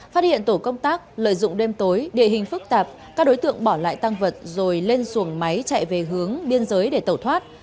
phát hiện tổ công tác lợi dụng đêm tối địa hình phức tạp các đối tượng bỏ lại tăng vật rồi lên xuồng máy chạy về hướng biên giới để tẩu thoát